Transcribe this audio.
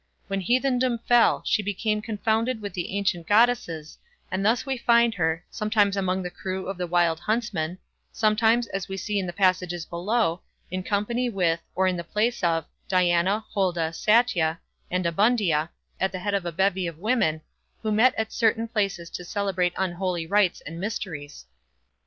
When heathendom fell, she became confounded with the ancient Goddesses, and thus we find her, sometimes among the crew of the Wild Huntsman, sometimes, as we see in the passages below, in company with, or in the place of Diana, Holda, Satia, and Abundia, at the head of a bevy of women, who met at certain places to celebrate unholy rites and mysteries.